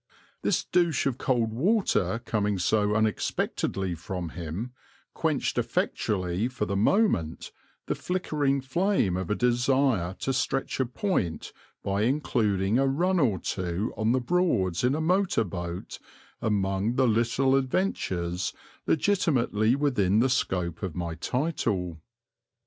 This douche of cold water coming so unexpectedly from him, quenched effectually for the moment the flickering flame of a desire to stretch a point by including a run or two on the Broads in a motor boat among the little adventures legitimately within the scope of my title.